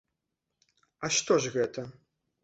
А што ж гэта?